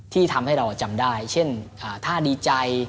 ที่ทำให้เราจำได้เช่นถ้าดีใจ